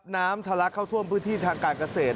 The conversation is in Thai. ทะลักเข้าท่วมพื้นที่ทางการเกษตร